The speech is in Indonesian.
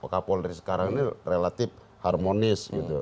kapolri sekarang ini relatif harmonis gitu